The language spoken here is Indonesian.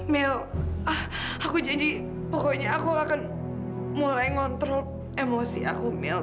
mil ah aku jadi pokoknya aku akan mulai ngontrol emosi aku mil